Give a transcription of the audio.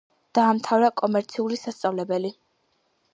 დაამთავრა კომერციული სასწავლებელი.